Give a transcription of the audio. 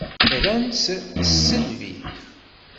Rant-tt s tisselbi.